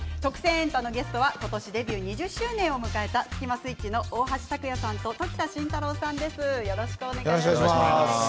エンタ」のゲストは今年デビュー２０周年を迎えたスキマスイッチの大橋卓弥さんと常田真太郎さんです。